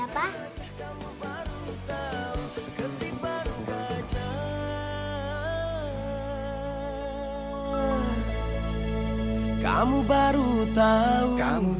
patunya hilang gajahnya datang